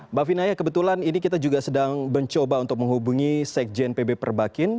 mbak vinaya kebetulan ini kita juga sedang mencoba untuk menghubungi sekjen pb perbakin